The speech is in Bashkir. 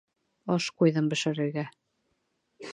Аш ҡуйҙым бешерергә.